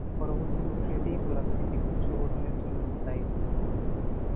পরবর্তী প্রক্রিয়াটি গোলাকৃতি গুচ্ছ গঠনের জন্য দায়ী হতে পারে।